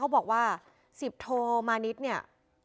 เขาบอกว่าสิบโทมานิดเนี่ย